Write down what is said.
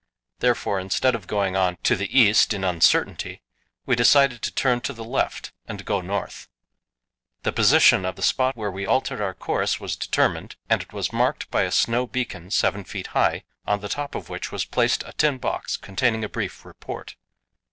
Therefore, instead of going on to the east in uncertainty, we decided to turn to the left and go north. The position of the spot where we altered our course was determined, and it was marked by a snow beacon 7 feet high, on the top of which was placed a tin box containing a brief report.